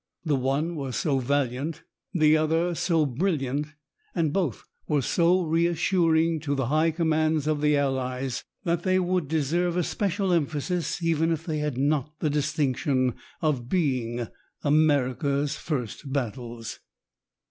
The one was so valiant, the other so brilliant, and both were so reassuring to the high commands of the Allies, that they would deserve a special emphasis even if they had not the distinction of being America's first battles.